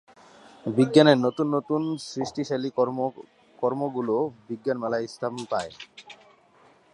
বিজ্ঞানের নতুন নতুন সৃষ্টিশীল কর্মগুলাে বিজ্ঞান মেলায় স্থান পায়।